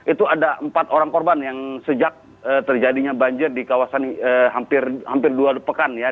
itu ada empat orang korban yang sejak terjadinya banjir di kawasan hampir dua pekan ya